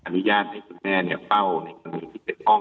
อนุญาตให้คุณแม่เฝ้าในเกณฑ์ที่จะคล่อง